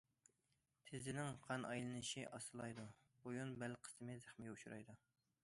تىزىنىڭ قان ئايلىنىشى ئاستىلايدۇ، بويۇن بەل قىسمى زەخمىگە ئۇچرايدۇ.